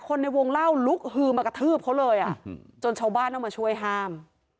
ในวงเล่าลุกฮือมากระทืบเขาเลยอ่ะจนชาวบ้านต้องมาช่วยห้าม